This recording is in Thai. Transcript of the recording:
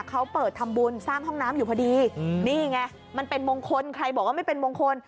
เขาเปิดทำบุญสร้างห้องน้ำอยู่พอดีนี่ไงมันเป็นมงคลใครบอกว่าไม่เป็นมงคล